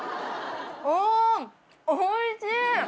うんおいしい！